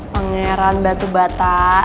pangeran batu bata